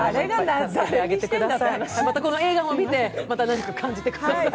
またこの映画も見て、また何か感じてください。